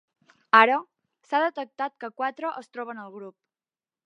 Ara, s'ha detectat que quatre es troben al grup.